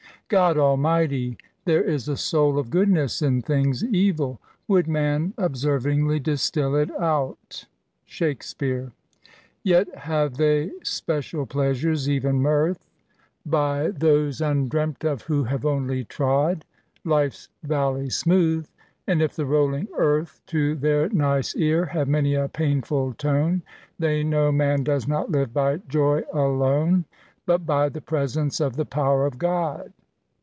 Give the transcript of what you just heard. << God Almighty! There is a soul of goodness in things evil, ... Would men obsenringly distil it out !'* SHAKSPSiut. Yet have they special pleasuies, even mirth, By those undieamt of who have only trod Life's valley smooth; and if the rolling earth To their nice ear have many a painful tone, They know man does not live by joy alone, But by the presence of the power of Ood."